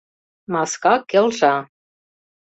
Маска келша.